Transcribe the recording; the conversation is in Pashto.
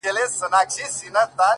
• د انتظار خبري ډيري ښې دي،